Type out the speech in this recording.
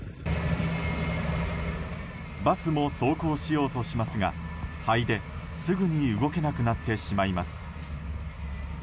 バスも走行しようとしますが灰で、すぐに動けなくなってしまいます。